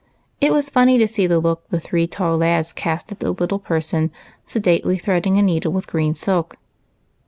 It was funny to see the look the three tall lads cast at the little person sedately threading a needle with green silk.